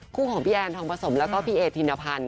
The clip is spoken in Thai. คู่ของพี่แอนน์ทองผสมแล้วก็พี่เอ๋ถิ่นภัณฑ์